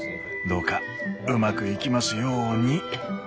どうかうまくいきますように。